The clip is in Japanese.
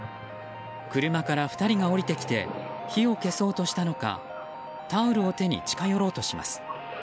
車から２人が下りてきて火を消そうとしたのかタオルを手に近寄ろうとします。